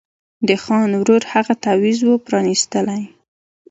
د خان ورور هغه تعویذ وو پرانیستلی